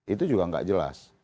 itu juga tidak jelas